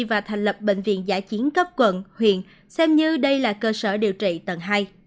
và thành lập bệnh viện giã chiến cấp quận huyện xem như đây là cơ sở điều trị tầng hai